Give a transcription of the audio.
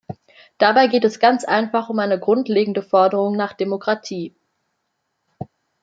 Dabei geht es ganz einfach um eine grundlegende Forderung nach Demokratie.